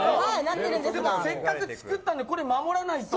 せっかく作ったのでこれを守らないと。